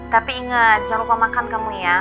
tapi ingat jangan lupa makan kamu ya